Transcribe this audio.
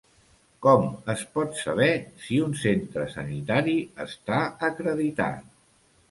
Com es pot saber si un centre sanitari està acreditat?